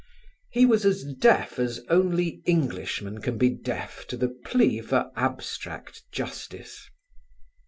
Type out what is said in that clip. He was as deaf as only Englishmen can be deaf to the plea for abstract justice.